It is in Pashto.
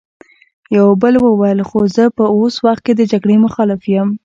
يوه بل وويل: خو زه په اوس وخت کې د جګړې مخالف يم!